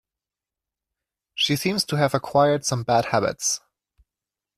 She seems to have acquired some bad habits